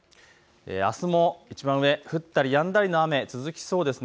あすも降ったりやんだりの雨、続きそうです。